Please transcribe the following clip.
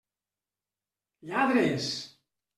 Lladres!